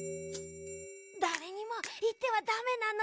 だれにもいってはダメなのだ。